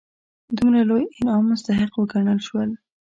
دومره لوی انعام مستحق وګڼل شول.